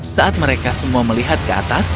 saat mereka semua melihat ke atas